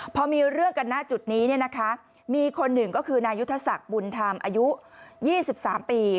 พอมีเรื่องกันหน้าจุดนี้มีคนหนึ่งก็คือนายุทธศักดิ์บุญธรรมอายุ๒๓ปี